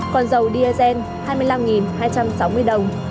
còn dầu diesel hai mươi năm hai trăm sáu mươi đồng